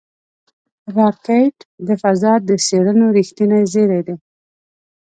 راکټ د فضا د څېړنو رېښتینی زېری دی